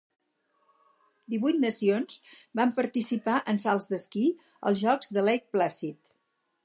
Divuit nacions van participar en salts d'esquí als Jocs de Lake Placid.